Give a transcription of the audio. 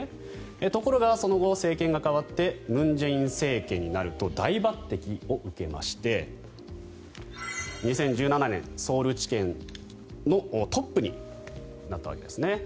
ところがその後、政権が代わって文在寅政権になると大抜てきを受けまして２０１７年、ソウル地検のトップになったわけですね。